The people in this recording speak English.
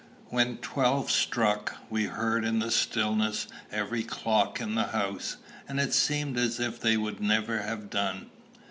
When twelve struck, we heard in the stillness every clock in the house, and it seemed as if they would never have done.